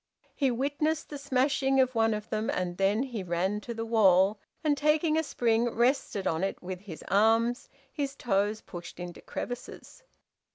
He witnessed the smashing of one of them, and then he ran to the wall, and taking a spring, rested on it with his arms, his toes pushed into crevices.